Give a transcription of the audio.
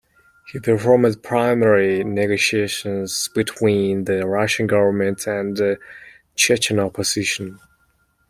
He performed primary negotiations between the Russian government and the Chechen opposition.